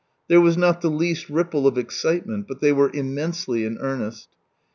There was not the least ripple of excitement, but they were immensely in earnest.